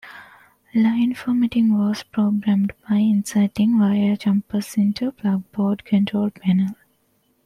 Line formatting was programmed by inserting wire jumpers into a plugboard control panel.